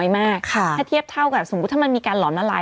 ถ้าเทียบเท่ากับสมมุติถ้ามันมีการหลอมละลาย